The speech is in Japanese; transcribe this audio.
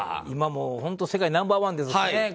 今も本当世界ナンバー１ですしね。